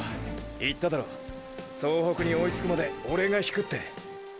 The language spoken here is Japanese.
言っただろ総北に追いつくまでオレが引くって。